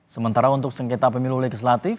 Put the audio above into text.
sementara untuk sengketa pemilu legislatif